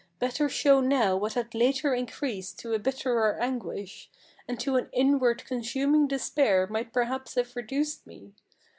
Better show now what had later increased to a bitterer anguish, And to an inward consuming despair might perhaps have reduced me.